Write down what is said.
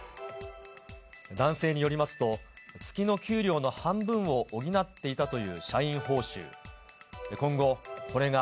男性によりますと、月の給料の半分を補っていたという社員報酬。